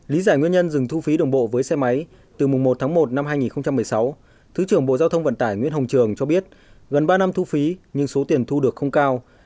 lý giải nguyên nhân dừng thu phí đồng bộ với xe máy từ mùng một tháng một năm hai nghìn một mươi sáu thứ trưởng bộ giao thông vận tải nguyễn hồng trường cho biết gần ba năm thu phí nhưng số tiền thu được không cao